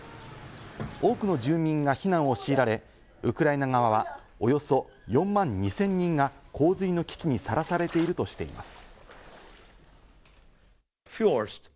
多くの住民が避難を強いられ、ウクライナ側はおよそ４万２０００人が洪水の危機にさらされているとしています。